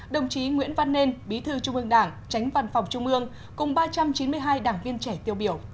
đồng chí nguyễn văn nên bí thư trung ương đảng tránh văn phòng trung ương cùng ba trăm chín mươi hai đảng viên trẻ tiêu biểu